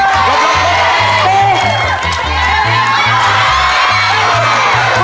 เท่าไร๕